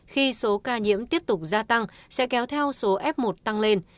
khi số ca nhiễm tiếp tục gia tăng sẽ kéo theo số f một tăng lên